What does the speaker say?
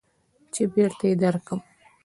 چې بېرته يې درکم.